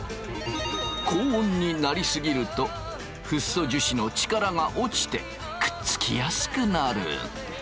高温になり過ぎるとフッ素樹脂の力が落ちてくっつきやすくなる。